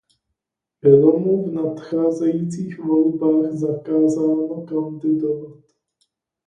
Bylo mu v nadcházejících volbách zakázáno kandidovat.